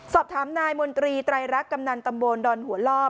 สอบถามนายมนตรีไตรรักกำนันตำบลดอนหัวล่อ